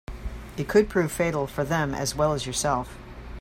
It could prove fatal for them as well as yourself.